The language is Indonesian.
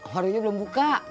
warungnya belum buka